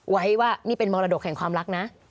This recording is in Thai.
ไว้ว่านี่เป็นมรดกแห่งความรักนะ